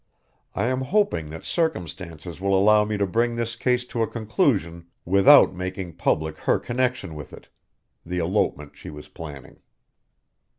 I am hoping that circumstances will allow me to bring this case to a conclusion without making public her connection with it the elopement she was planning."